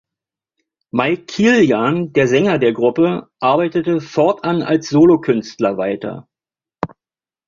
Mike Kilian, der Sänger der Gruppe, arbeitete fortan als Solokünstler weiter.